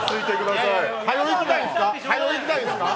はよ、いきたいんですか？